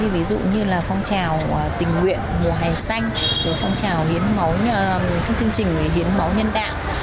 ví dụ như phong trào tình nguyện mùa hè xanh phong trào chương trình hiến máu nhân đạo